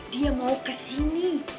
dia mau ke sini